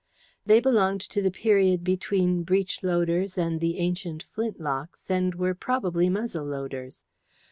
They belonged to the period between breech loaders and the ancient flint locks, and were probably muzzle loaders.